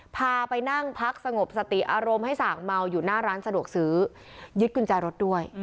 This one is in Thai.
พาไปนั่งพักสงบสติอารมณ์ให้ส่างเมาอยู่หน้าร้านสะดวกซื้อยึดกุญแจรถด้วย